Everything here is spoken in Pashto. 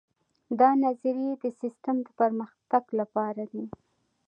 دا نظریې د سیسټم د پرمختګ لپاره دي.